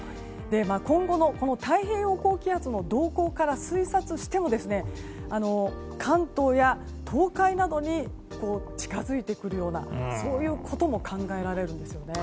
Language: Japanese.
今後の太平洋高気圧の動向から推察しても関東や東海などに近づいてくるようなそういうことも考えられるんですよね。